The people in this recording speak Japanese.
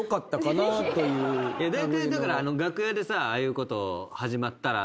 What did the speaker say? だいたいだから楽屋でさああいうこと始まったら。